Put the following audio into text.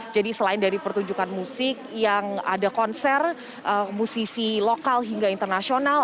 jadi selain dari pertunjukan musik yang ada konser musisi lokal hingga internasional